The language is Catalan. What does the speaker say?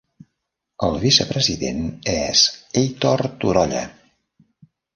El vicepresident és Heitor Turolla.